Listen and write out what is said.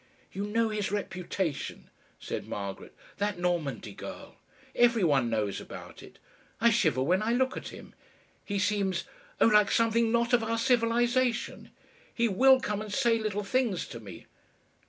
"You know his reputation," said Margaret. "That Normandy girl. Every one knows about it. I shiver when I look at him. He seems oh! like something not of OUR civilisation. He WILL come and say little things to me."